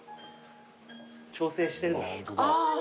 調整してる。